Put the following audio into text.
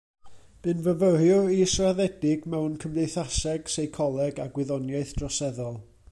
Bu'n fyfyriwr israddedig mewn cymdeithaseg, seicoleg a gwyddoniaeth droseddol.